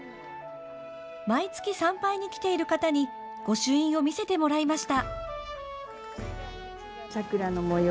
毎月、参拝に来ている方に御朱印を見せてもらいました。